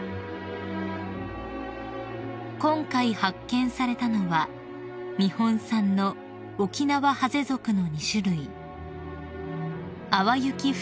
［今回発見されたのは日本産のオキナワハゼ属の２種類］